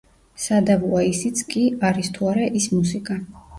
სადავოა ისიც კი არის თუ არა ის მუსიკა.